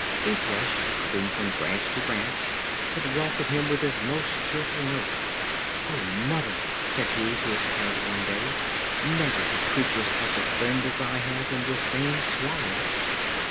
The Thrush, hopping from branch to branch, would welcome him with his most cheerful note. "O mother!" said he to his parent one day, "never had creature such a friend as I have in this same Swallow."